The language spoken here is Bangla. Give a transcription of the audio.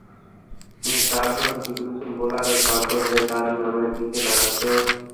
কিন্তু তারপরও কিছু কিছু বোলার বাধ্য করে তাঁর নামের দিকে তাকাতেও।